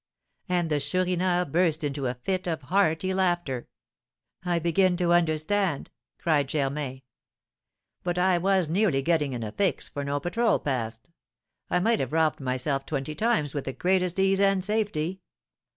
And the Chourineur burst into a fit of hearty laughter. "I begin to understand," cried Germain. "But I was nearly getting in a 'fix,' for no patrol passed. I might have robbed myself twenty times with the greatest ease and safety.